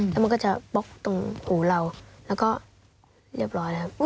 แล้วมันก็จะบล็อกตรงหูเราแล้วก็เรียบร้อยแล้ว